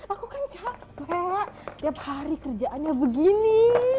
aku kan capek tiap hari kerjaannya begini